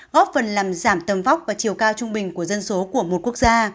góp phần làm giảm tầm vóc và chiều cao trung bình của dân số của một quốc gia